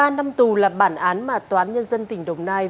một mươi ba năm tù là bản án mà toán nhân dân tỉnh đồng nai